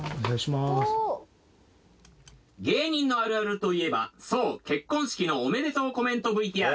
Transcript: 芸人のあるあるといえばそう結婚式のおめでとうコメントＶＴＲ